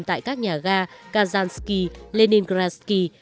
tại các nhà ga kazansky leningradsky